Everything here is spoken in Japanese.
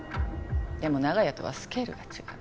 でも長屋とはスケールが違う。